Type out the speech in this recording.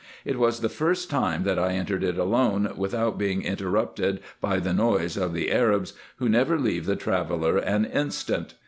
It was the first time that I entered it alone, without being interrupted by the noise of the Arabs, who never leave the traveller an instant.